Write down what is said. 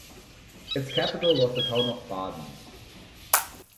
Its capital was the town of Baden.